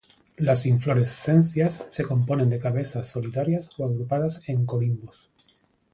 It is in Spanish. Las inflorescencias se componen de cabezas solitarias o agrupadas en corimbos.